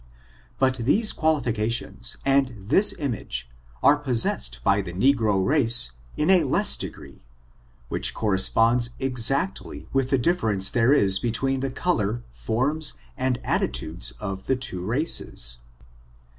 But these qualifications, and this image, are possessed by the negro race in a less degree, which corresponds exactly with the dif ference there is between the color, forms and attitudes of the two races.